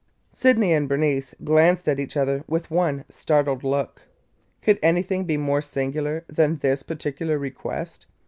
Sydney and Bernice glanced at each other with one startled look. Could anything be more singular than this particular request?